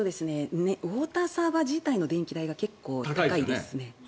ウォーターサーバー自体の電気代が結構高いですね。